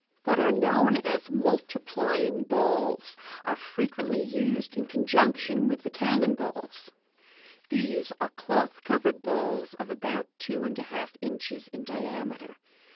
What are known as "multiplying balls" are frequently used in conjunction with the cannon balls. These are cloth covered balls of about two and a half inches in diameter.